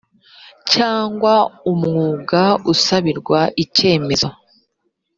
cyangwa umwuga usabirwa icyemezo